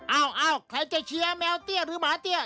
เอ้าใครจะเชียร์แมวเตี้ยหรือหมาเตี้ย